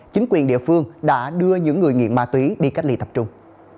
chính quyền địa phương đã đưa những người nghiện ma túy đi cách ly tập trung